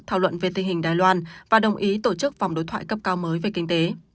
thảo luận về tình hình đài loan và đồng ý tổ chức vòng đối thoại cấp cao mới về kinh tế